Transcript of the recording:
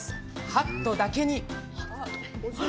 ハットだけに。